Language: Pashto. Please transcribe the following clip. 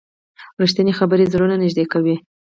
رښتیني خبرې زړونه نږدې کوي.